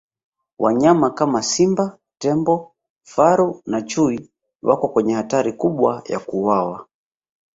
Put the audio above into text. wanyama kama simba tembo faru na chui wako kwenye hatari kubwa ya kuuwawa